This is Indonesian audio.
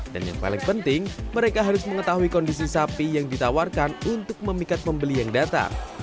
dan yang paling penting mereka harus mengetahui kondisi sapi yang ditawarkan untuk memikat pembeli yang datar